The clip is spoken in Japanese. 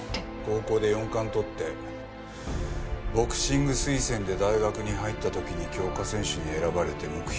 高校で４冠とってボクシング推薦で大学に入った時に強化選手に選ばれて目標は金メダル。